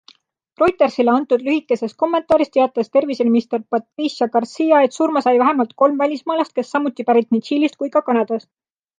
Reutersile antud lühikeses kommentaaris teatas terviseminister Patricia Garcia, et surma sai vähemalt kolm välismaalast, kes samuti pärit nii Tšiilist kui ka Kanadast.